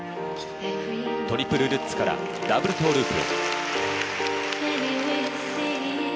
トリプルルッツからダブルトーループ。